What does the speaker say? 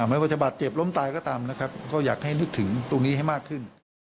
ไม่ว่าจะบาดเจ็บล้มตายก็ตามนะครับก็อยากให้นึกถึงตรงนี้ให้มากขึ้น